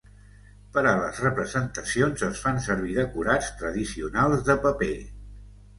Per a les representacions es fan servir decorats tradicionals de paper.